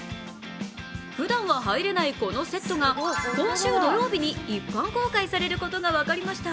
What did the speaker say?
ふだんは入れないこのセットが今週土曜日に一般公開されることが分かりました。